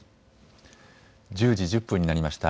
１０時１０分になりました。